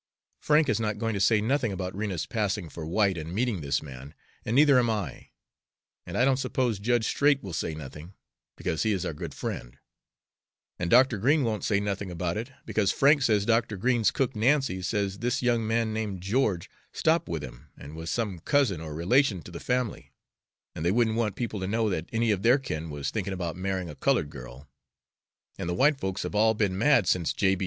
Frank is not going to say nothing about Rena's passing for white and meeting this man, and neither am I; and I don't suppose Judge Straight will say nothing, because he is our good friend; and Dr. Green won't say nothing about it, because Frank says Dr. Green's cook Nancy says this young man named George stopped with him and was some cousin or relation to the family, and they wouldn't want people to know that any of their kin was thinking about marrying a colored girl, and the white folks have all been mad since J. B.